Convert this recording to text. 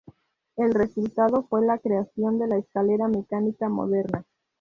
El resultado fue la creación de la escalera mecánica moderna.